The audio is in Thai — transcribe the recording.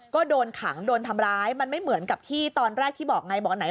ก็โดนขังโดนทำร้ายมันไม่เหมือนกับที่ตอนแรกที่บอกไงบอกไหน